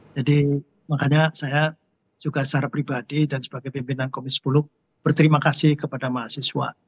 jadi makanya saya juga secara pribadi dan sebagai pimpinan komisi sepuluh berterima kasih kepada mahasiswa